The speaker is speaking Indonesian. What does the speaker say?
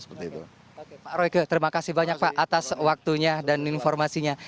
oke pak royke terima kasih banyak pak atas waktunya dan informasinya